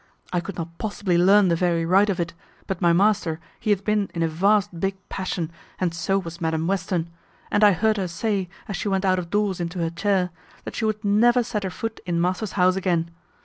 I could not possibly learn the very right of it; but my master he hath been in a vast big passion, and so was Madam Western, and I heard her say, as she went out of doors into her chair, that she would never set her foot in master's house again.